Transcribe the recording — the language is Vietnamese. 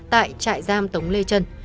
tại trại giam tống lê trân